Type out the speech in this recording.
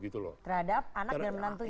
terhadap anak dan menantunya